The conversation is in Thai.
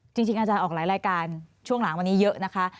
จริงอาจารย์ออกหลายรายการช่วงหลังวันนี้เยอะนะคะ